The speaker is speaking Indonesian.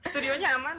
studio nya aman